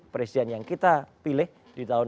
presiden yang kita pilih di tahun